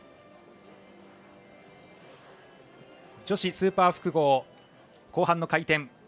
女子スーパー複合後半の回転。